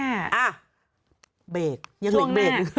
อะเบกยังหลีกเบก